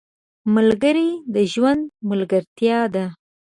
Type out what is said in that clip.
ملګري د ژوند ملګرتیا ده.